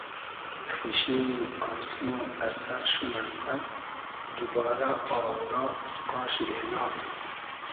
خیشیمی آسمۉ از سئر شونۂ پئس دوبارۂ آوورا از قاشی ایناغ